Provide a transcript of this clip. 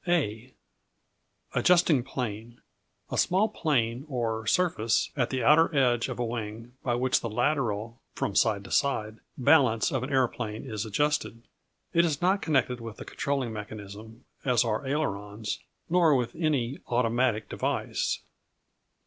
A Adjusting Plane A small plane, or surface, at the outer end of a wing, by which the lateral (from side to side) balance of an aeroplane is adjusted. It is not connected with the controlling mechanism, as are the ailerons nor with any automatic device.